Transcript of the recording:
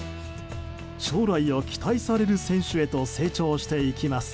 将来を期待される選手へと成長していきます。